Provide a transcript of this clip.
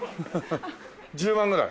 １０万ぐらい？